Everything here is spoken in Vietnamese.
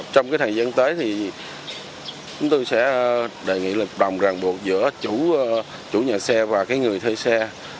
trong thời gian tới thì chúng tôi sẽ đề nghị lực đồng ràng buộc giữa chủ nhà xe và người thuê xe